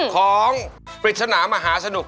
ของปริศนามหาวิทยาลัย